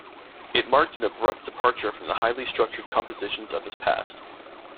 It marked an abrupt departure from the highly structured compositions of his past.